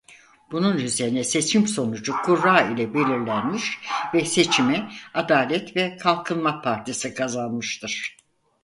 Bunun üzerine seçim sonucu kura ile belirlenmiş ve seçimi Adalet ve Kalkınma Partisi kazanmıştır.